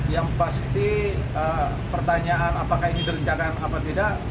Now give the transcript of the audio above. yang pasti pertanyaan apakah ini derenjakan atau tidak